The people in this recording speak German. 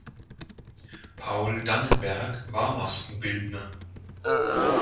Paul Dannenberg war Maskenbildner.